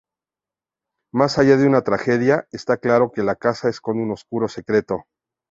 Más allá de una tragedia, está claro que la casa esconde un oscuro secreto.